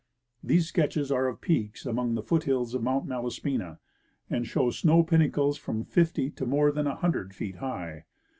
These sketches are of peaks among the foothills of Mount Malaspina, and show snow pinnacles from fifty to more than a hundred feet high.